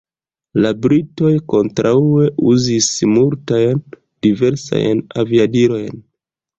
La britoj kontraŭe uzis multajn diversajn aviadilojn.